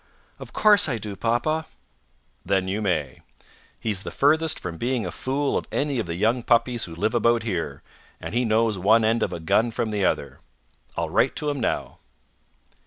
"Of course I do, papa." "Then you may. He's the furthest from being a fool of any of the young puppies who live about here, and he knows one end of a gun from the other. I'll write to him now."